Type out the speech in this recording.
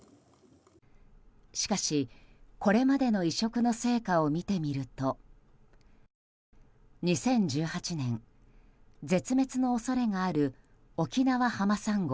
しかし、これまでの移植の成果を見てみると２０１８年、絶滅の恐れがあるオキナワハマサンゴ